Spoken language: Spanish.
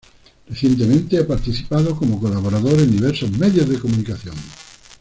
Recientemente ha participado como colaborador en diversos medios de comunicación.